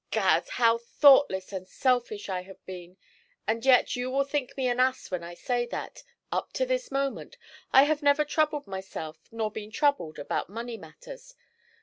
Gad! How thoughtless and selfish I have been! And yet you will think me an ass when I say that, up to this moment, I have never troubled myself nor been troubled about money matters.